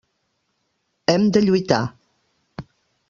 Hem de lluitar.